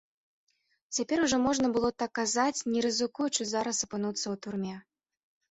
Цяпер ужо можна было так казаць, не рызыкуючы зараз апынуцца ў турме.